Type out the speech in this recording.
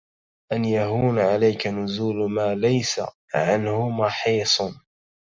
أَنْ يَهُونَ عَلَيْك نُزُولُ مَا لَيْسَ عَنْهُ مَحِيصٌ